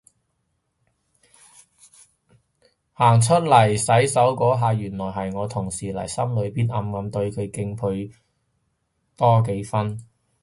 行出嚟洗手嗰下原來係我同事嚟，心裏面暗暗對佢敬佩多幾分